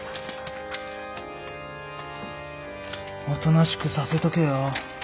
おとなしくさせとけよ？